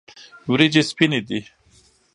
وریجې سپینې دي.